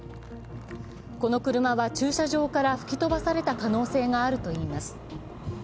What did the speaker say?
この車は駐車場から吹き飛ばされた可能性があるといいます。